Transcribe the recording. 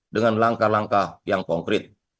dengan langkah langkah yang konkret